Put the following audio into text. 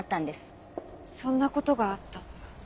そんな事があったんだ。